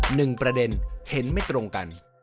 หนึ่งประเด็นเห็นไม่ตรงกัน